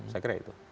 saya kira itu